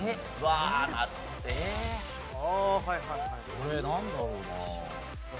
これなんだろうな？